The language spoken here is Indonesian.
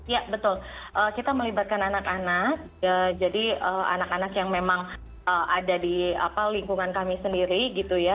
ya betul kita melibatkan anak anak jadi anak anak yang memang ada di lingkungan kami sendiri gitu ya